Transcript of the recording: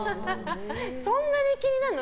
そんなに気になるの？